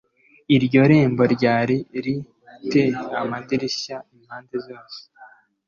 Iryo rembo ryari ri te amadirishya impande zose